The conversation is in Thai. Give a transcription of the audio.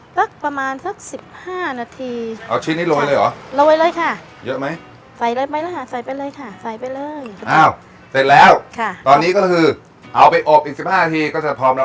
อบไปแล้วนะครับ